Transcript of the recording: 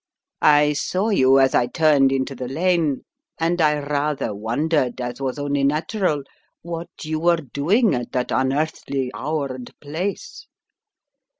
" "I saw you as I turned into the lane and I rather wondered, as was only natural, what you were doing at that unearthly hour and place."